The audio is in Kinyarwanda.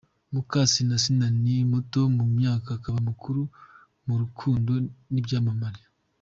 Mukasine Asinah ni muto mu myaka akaba mukuru mu rukundo n’ibyamamare.